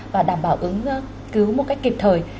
và đảm bảo ứng cứu một cách kịp thời